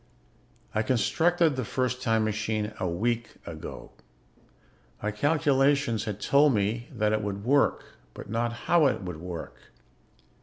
"I constructed the first time machine a week ago. My calculations had told me that it would work, but not how it would work.